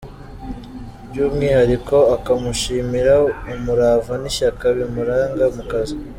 By’umwihariko akamushimira umurava n’ishyaka bimuranga mu kazi.